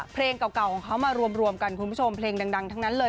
เพลงเก่าของเขามารวมกันคุณผู้ชมเพลงดังทั้งนั้นเลย